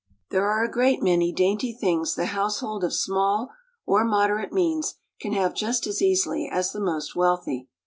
There are a great many dainty things the household of small or moderate means can have just as easily as the most wealthy.